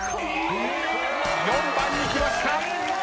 ４番にきました。